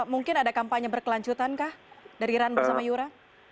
mungkin ada kampanye berkelanjutan kah dari run bersama yura